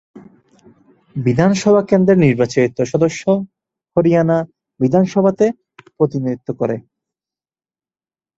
বিধানসভা কেন্দ্রের নির্বাচিত সদস্য হরিয়ানা বিধানসভাতে প্রতিনিধিত্ব করে।